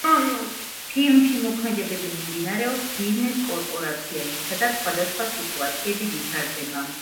ფილმში მოქმედებები მიმდინარეობს ბიზნეს კორპორაციაში, სადაც სხვადასხვა სიტუაციები ვითარდება.